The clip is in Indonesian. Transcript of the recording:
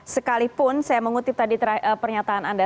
sekalipun saya mengutip tadi pernyataan anda